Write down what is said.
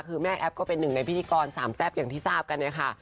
คือแม่แอฟก็เป็นหนึ่งในพิธีกรสามแซ่บอย่างที่ทราบกันเนี่ยค่ะ